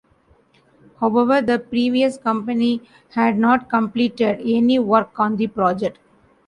However, the previous company had not completed any work on the project.